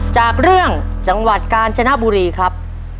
จากเรื่องจังหวัดกาญจนบุรีครับ